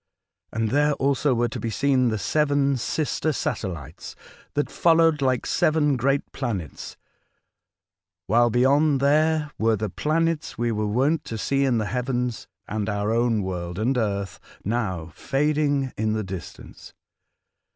And there also were to be seen the seven sister satellites, that followed like seven great planets, while beyond there were the planets we were wont to see in the heavens and our own world and earth now fading in the distance.